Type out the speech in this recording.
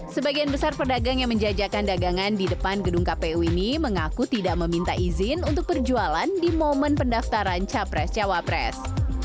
sebagian besar pedagang yang menjajakan dagangan di depan gedung kpu ini mengaku tidak meminta izin untuk perjualan di momen pendaftaran capres cawapres